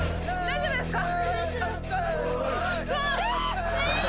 大丈夫ですー。